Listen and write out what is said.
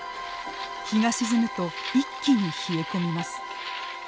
日が沈むと一気に冷え込みます。